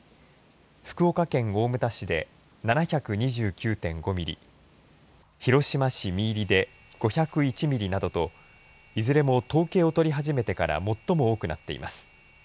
福岡県大牟田市で７２９．５ミリ広島市三入で５０１ミリなどといずれも統計を取り始めてから最も多くなっています。